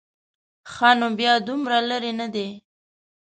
ښه نو بیا دومره لرې نه دی.